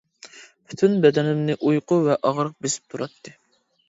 پۈتۈن بەدىنىمنى ئۇيقۇ ۋە ئاغرىق بېسىپ تۇراتتى.